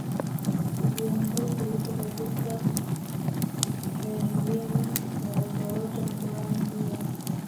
ziwa ngosi lipo katika ya milima ya uporoto mkoani mbeya